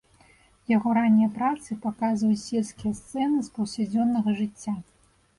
Яго раннія працы паказваюць сельскія сцэны з паўсядзённага жыцця.